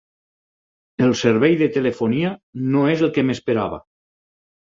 El servei de telefonia no és el que m'esperava.